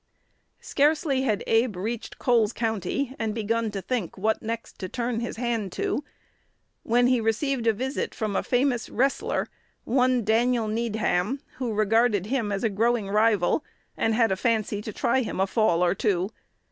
Scarcely had Abe reached Coles County, and begun to think what next to turn his hand to, when he received a visit from a famous wrestler, one Daniel Needham, who regarded him as a growing rival, and had a fancy to try him a fall or two.